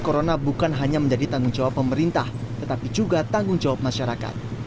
corona bukan hanya menjadi tanggung jawab pemerintah tetapi juga tanggung jawab masyarakat